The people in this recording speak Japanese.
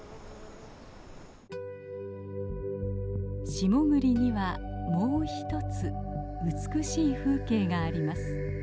下栗にはもう一つ美しい風景があります。